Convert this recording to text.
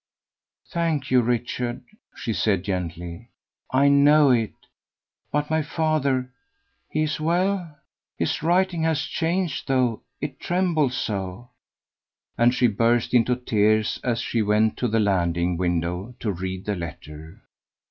"Thank you, Richard," she said gently, "I know it; but my father, he is well? His writing has changed though, it trembles so," and she burst into tears as she went to the landing window to read the letter.